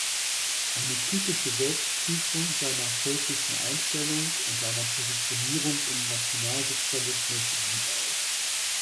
Eine „kritische Selbstprüfung“ seiner völkischen Einstellung und seiner Positionierung im Nationalsozialismus blieb aus.